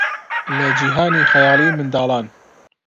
لە جیهانی خەیاڵیی منداڵان